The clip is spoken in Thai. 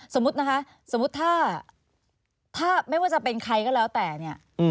สมมุตินะคะสมมุติถ้าไม่ว่าจะเป็นใครก็แล้วแต่เนี่ย